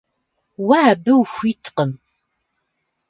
Уэ абы ухуиткъым.